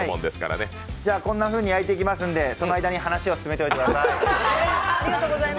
こんなふうに焼いていきますんで、その間に話を進めてください。